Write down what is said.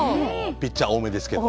ピッチャー多めですけど。